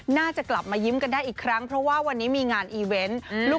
น่าจะกลับมายิ้มกันได้อีกครั้งเพราะว่าวันนี้มีงานอีเวนต์